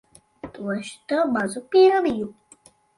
Došu tev mazu piemiņu.